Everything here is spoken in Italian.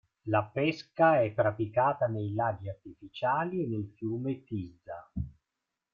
La pesca è praticata nei laghi artificiali e nel fiume Tisza.